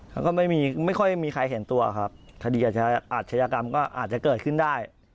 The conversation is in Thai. แล้วก็ไม่ค่อยมีใครเห็นตัวครับถ้าดีอาจจะอาจจะเกิดขึ้นได้